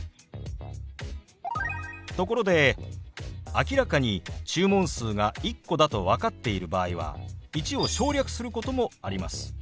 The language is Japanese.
ところで明らかに注文数が１個だと分かっている場合は「１」を省略することもあります。